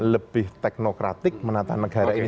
lebih teknokratik menata negara ini